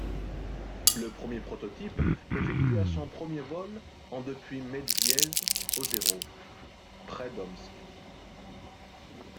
Le premier prototype effectua son premier vol en depuis Medvyezhe Ozero, près d'Omsk.